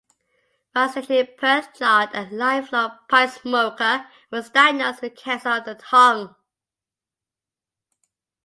While stationed in Perth, Chard-a lifelong pipe smoker-was diagnosed with cancer of the tongue.